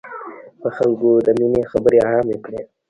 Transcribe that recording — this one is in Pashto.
په خلکو د ميني خبري عامي کړی.